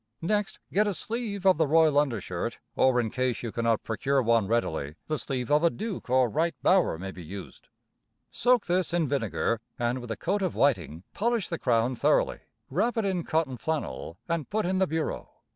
Next, get a sleeve of the royal undershirt, or, in case you can not procure one readily, the sleeve of a duke or right bower may be used. Soak this in vinegar, and, with a coat of whiting, polish the crown thoroughly, wrap it in cotton flannel and put in the bureau.